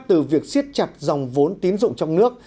từ việc siết chặt dòng vốn tín dụng trong nước